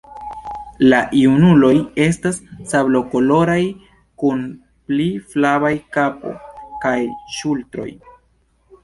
La junuloj estas sablokoloraj kun pli flavaj kapo kaj ŝultroj.